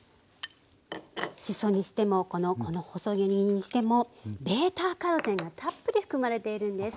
しそにしてもこの細切りにしてもβ−カロテンがたっぷり含まれているんです。